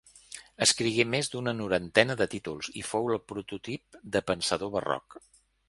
Escrigué més d'una norantena de títols i fou el prototip de pensador barroc.